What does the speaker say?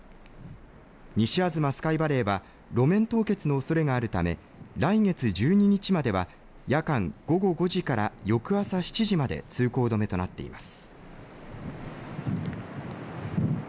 西吾妻スカイバレーは路面凍結のおそれがあるため来月１２日までは夜間午後５時から翌朝７時まで通行止めとなっています。